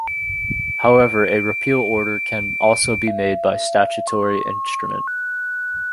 However a repeal order can also be made by statutory instrument.